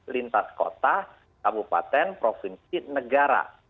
lintas kota kabupaten provinsi negara